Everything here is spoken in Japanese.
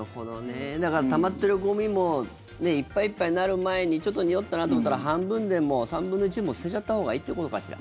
だから、たまってるゴミもいっぱいいっぱいになる前にちょっとにおったなと思ったら半分でも３分の１でも捨てちゃったほうがいいってことかしら。